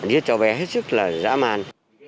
giết cho bé hết sức là dã man